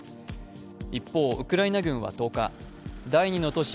一方、ウクライナ軍は１０日、第２の都市